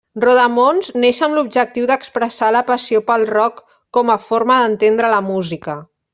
Rodamons neix amb l'objectiu d'expressar la passió pel rock com a forma d'entendre la música.